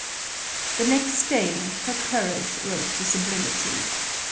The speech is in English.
The next day, her courage rose to sublimity.